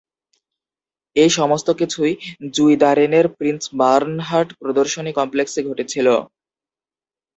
এই সমস্তকিছুই জুইদারেনের Prince Bernhard প্রদর্শনী কমপ্লেক্সে ঘটেছিল।